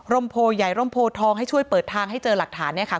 มโพใหญ่ร่มโพทองให้ช่วยเปิดทางให้เจอหลักฐานเนี่ยค่ะ